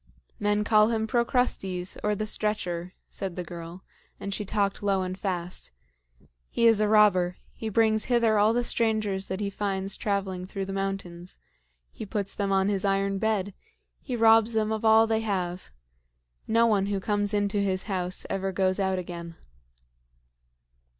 "Men call him Procrustes, or the Stretcher," said the girl and she talked low and fast. "He is a robber. He brings hither all the strangers that he finds traveling through the mountains. He puts them on his iron bed. He robs them of all they have. No one who comes into his house ever goes out again."